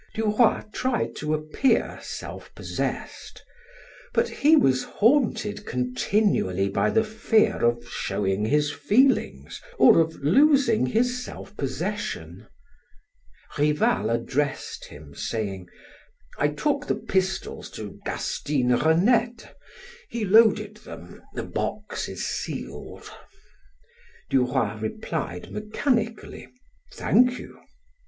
Duroy tried to appear self possessed, but he was haunted continually by the fear of showing his feelings or of losing his self possession. Rival addressed him, saying: "I took the pistols to Gastine Renette. He loaded them. The box is sealed." Duroy replied mechanically: "Thank you."